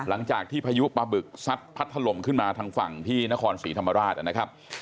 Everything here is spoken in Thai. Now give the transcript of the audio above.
พายุปลาบึกซัดพัดถล่มขึ้นมาทางฝั่งที่นครศรีธรรมราชนะครับ